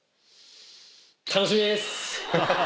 楽しみです。